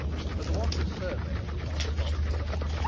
But the watcher's survey did not stop here.